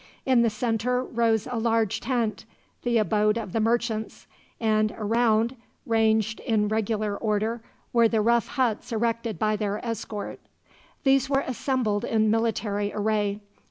In the center rose a large tent, the abode of the merchants; and around, ranged in regular order, were the rough huts erected by their escort. These were assembled in military array.